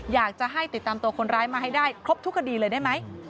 อยากจะให้ติดตามตัวคนร้ายมาให้ได้ครบทุกคดีเลยได้ไหม